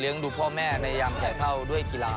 เลี๊ยงดูพ่อแม่ในยามแก่เถ้าด้วยกีฬา